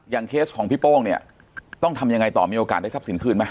เคสของพี่โป้งเนี่ยต้องทำยังไงต่อมีโอกาสได้ทรัพย์สินคืนไหม